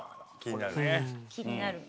気になるね。